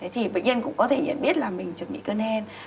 thì bệnh nhân cũng có thể nhận biết là mình chuẩn bị cơn hen